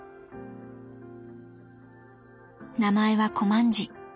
名前はこまんじ。